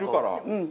うん。